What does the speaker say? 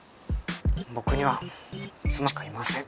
僕には妻しかいません。